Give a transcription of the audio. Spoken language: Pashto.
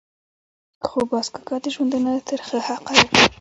خو باز کاکا د ژوندانه ترخه حقایق.